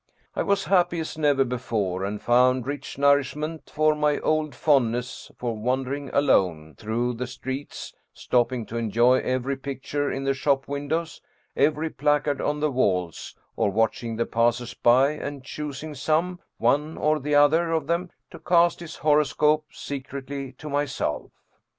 I was happy as never before, and found 132 Ernest Theodor Amadeus Hoffmann rich nourishment for my old fondness for wandering alone through the streets, stopping to enjoy every picture in the shop windows, every placard on the walls, or watching the passers by and choosing some one or the other of them to cast his horoscope secretly to myself.